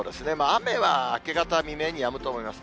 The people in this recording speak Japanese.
雨は明け方未明にはやむと思います。